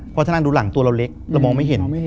เพราะถ้านั่งดูหลังตัวเราเล็กเรามองไม่เห็น